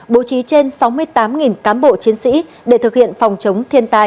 bố trí trên sáu mươi tám cán bộ chiến sĩ để thực hiện phòng chống thiên tai